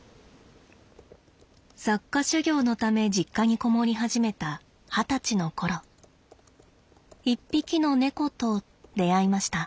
作家修業のため実家にこもり始めた二十歳の頃一匹の猫と出会いました。